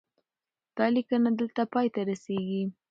دا لیکنه دلته پای ته رسیږي.